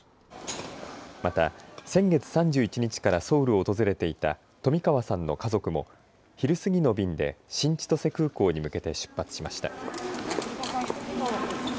また先月３１日からソウルを訪れていた冨川さんの家族も昼過ぎの便で新千歳空港に向けて出発しました。